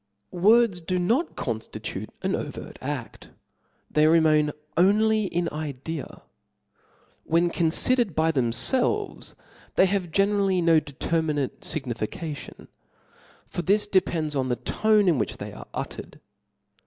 Words do not coqftitute an overt aft ; they re main 'only in idea, When confidered by themfelves^ they have generally no determinate fignificatiori ; for this depends on the tone in which rhey are ut tered.